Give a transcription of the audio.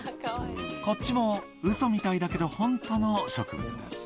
こっちもウソみたいだけど、本当の植物です。